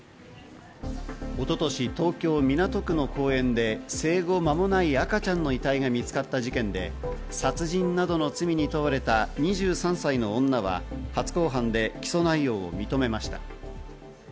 一昨年、東京・港区の公園で生後まもない赤ちゃんの遺体が見つかった事件で、殺人などの罪に問われた２３歳の女は初公判で起訴内容を認めました。